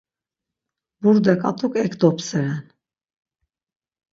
Burde ǩat̆uk ek dopseren.